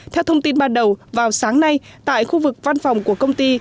theo thông tin ban đầu vào sáng nay tại khu vực văn phòng của công ty